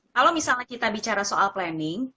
kalau misalnya kita bicara soal planning